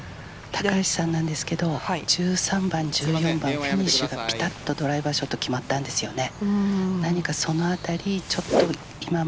高橋さんなんですけど１３番、１４番フィニッシュはぴちっと捉え場所と決まったんですよね。